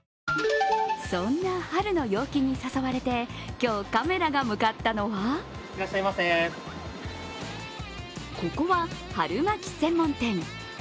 そんな春の陽気に誘われて今日カメラが向かったのはここは、春巻き専門店。